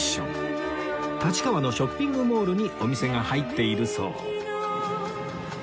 立川のショッピングモールにお店が入っているそう